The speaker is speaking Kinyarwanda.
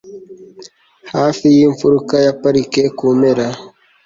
hafi yimfuruka ya parike, kumpera